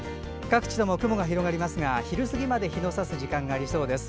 各地とも雲が広がりますが昼過ぎまで日のさす時間がありそうです。